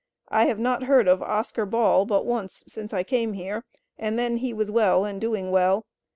I have not heard of Oscar Ball but once since I came here, and then he was well and doing well.